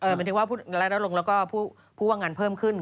หมายถึงว่ารายได้ลงแล้วก็ผู้ว่างงานเพิ่มขึ้น